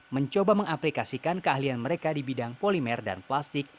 mencoba mengaplikasikan keahlian mereka di bidang polimer dan plastik